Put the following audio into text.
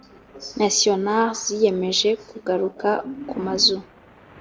nationale ziyemeje kugaruka kumazu